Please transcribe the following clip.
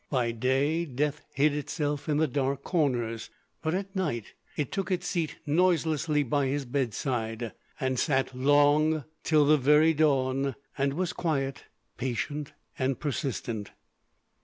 By day death hid itself in the dark corners, but at night it took its seat noiselessly by his bedside, and sat long, till the very dawn, and was quiet, patient, and persistent.